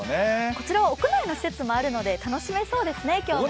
こちらは屋内の施設もあるので楽しめそうですね、今日も。